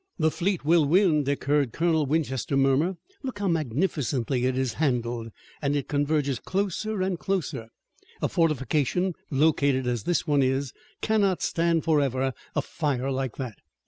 "The fleet will win," Dick heard Colonel Winchester murmur. "Look how magnificently it is handled, and it converges closer and closer. A fortification located as this one is cannot stand forever a fire like that."